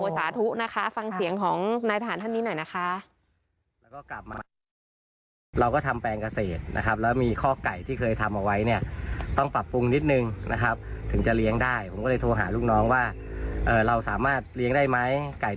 สาธุนะคะฟังเสียงของนายทหารท่านนี้หน่อยนะคะ